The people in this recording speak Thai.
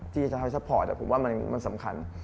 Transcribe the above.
ที่จะให้ซัพพอร์ตผมว่ามันสำคัญ